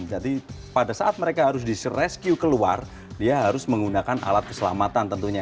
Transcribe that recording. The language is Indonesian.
jadi pada saat mereka harus direscue keluar dia harus menggunakan alat keselamatan tentunya